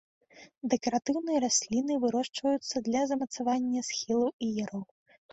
Дэкаратыўныя расліны, вырошчваюцца для замацавання схілаў і яроў.